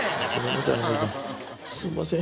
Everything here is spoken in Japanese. すんません。